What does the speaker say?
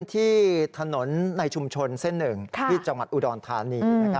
ที่ถนนในชุมชนเส้น๑ที่จังหวัดอุดรธานี